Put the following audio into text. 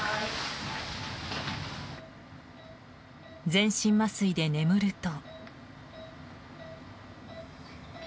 全身麻酔で眠ると。